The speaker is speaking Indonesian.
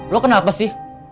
lo kenapa sih